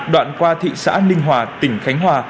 đoạn qua thị xã ninh hòa tỉnh khánh hòa